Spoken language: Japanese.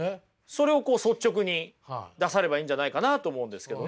それをこう率直に出さればいいんじゃないかなと思うんですけどね。